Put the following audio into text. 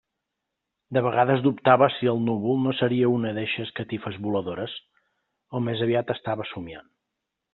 De vegades dubtava si el núvol no seria una d'eixes catifes voladores, o més aviat estava somiant.